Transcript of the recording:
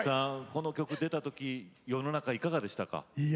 この歌が出たとき世の中はいかがでしたか？